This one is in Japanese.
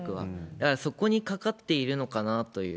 だから、そこにかかっているのかなという。